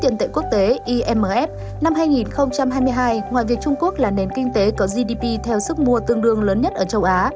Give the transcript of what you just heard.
ngoài việc trung quốc là nền kinh tế có gdp theo sức mùa tương đương lớn nhất ở châu á